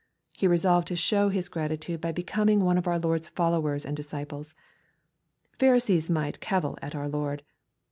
He resolved to show his grati tude by becoming one of our Lord's followers and disci pies. Pharisees might cavil at our Lord.